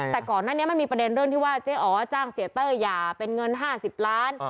แต่ก่อนหน้านี้มันมีประเด็นเรื่องที่ว่าเจ๊อ๋อจ้างเสียเต้ยหย่าเป็นเงิน๕๐ล้าน